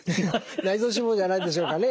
内臓脂肪じゃないでしょうかね。